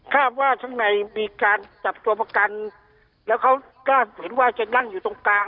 ว่าข้างในมีการจับตัวประกันแล้วเขาก็เห็นว่าจะนั่งอยู่ตรงกลาง